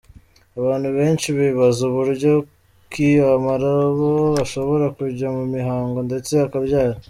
Abantu benshi bibaza uburyo ki amarobo ashobora kujya mu mihango ndetse akabyara.